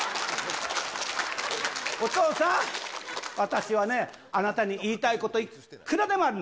お父さん、私はね、あなたに言いたいこと、いっくらでもあるの。